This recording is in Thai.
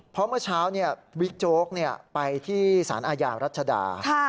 เพราะเมื่อเช้าบิ๊กโจ๊กไปที่สารอาญารัชดา